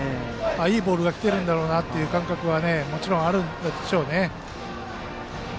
いいボールが来ている感覚はもちろんあるんでしょうね。